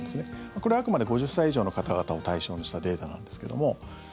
これはあくまで５０歳以上の方々を対象にしたデータなんですけども。